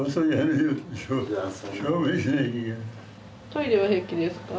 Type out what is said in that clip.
トイレは平気ですか？